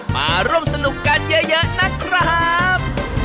มาร่วมสนุกกันเยอะนะครับ